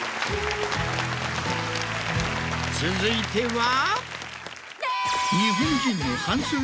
続いては。